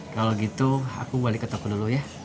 kalau gitu aku balik ke toko dulu ya